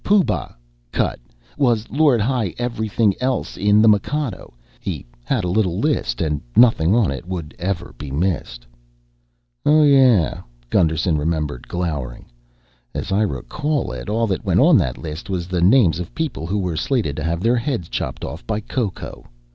Pooh Bah (cut!) was Lord High Everything Else in The Mikado. He had a little list and nothing on it would ever be missed." "Oh, yeah," Gusterson remembered, glowering. "As I recall it, all that went on that list was the names of people who were slated to have their heads chopped off by Ko Ko.